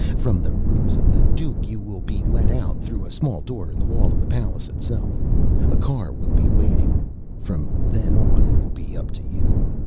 From the rooms of the Duke you will be let out through a small door in the wall of the palace itself. A car will be waiting. "From then on it will be up to you.